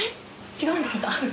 違うんですか？